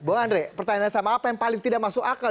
bung andri pertanyaan saya sama apa yang paling tidak masuk akal